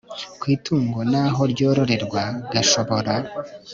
ku itungo n aho ryororerwa gashobora